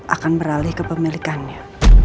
akan beralih ke pemilikannya